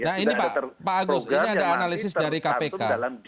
nah ini pak agus ini ada analisis dari kpk